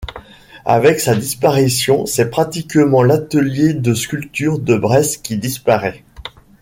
Avec sa disparition c'est pratiquement l'atelier de sculpture de Brest qui disparaît.